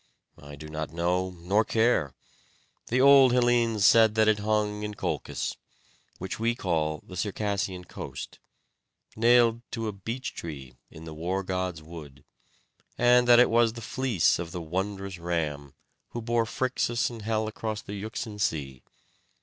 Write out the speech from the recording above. I do not know, nor care. The old Hellenes said that it hung in Colchis, which we call the Circassian coast, nailed to a beech tree in the war god's wood; and that it was the fleece of the wondrous ram, who bore Phrixus and Helle across the Euxine Sea.